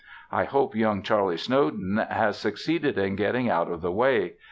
I hope young Charlie Snowden has succeeded in getting out of the way.